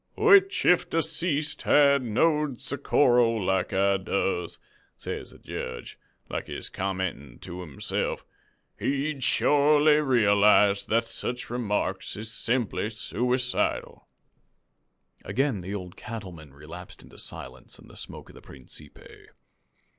"'Which if deceased had knowed Socorro like I does,' says the jedge, like he's commentin' to himse'f, 'he'd shorely realized that sech remarks is simply sooicidal.'" Again the Old Cattleman relapsed into silence and the smoke of the principe.